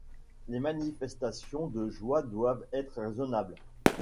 Les manifestations de joie doivent être raisonnables.